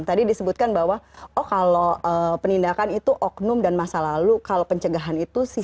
tadi disebutkan bahwa oh kalau penindakan itu oknum dan masa lalu kalau pencegahan itu sistem dan masa lalu